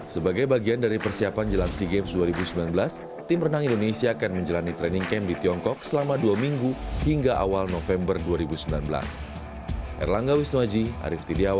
sebagai bagian dari persiapan jelang sea games dua ribu sembilan belas tim renang indonesia akan menjalani training camp di tiongkok selama dua minggu hingga awal november dua ribu sembilan belas